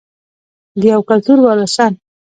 د یو کلتور وارثان.